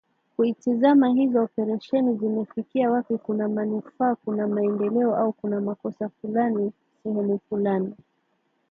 kuitazama hizo operesheni zimefikia wapi kuna manufaa kuna maendeleo au kunamakosa fulani sehemu fulani